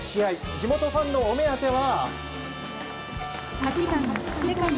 地元ファンのお目当ては。